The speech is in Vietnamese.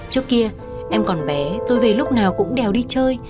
trước kia em còn bé tôi về lúc nào cũng đèo đi chơi